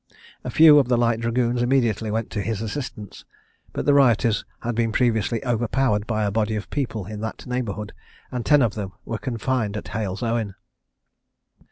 A few of the Light Dragoons immediately went to his assistance; but the rioters had been previously overpowered by a body of people in that neighbourhood, and ten of them were confined at Hales Owen.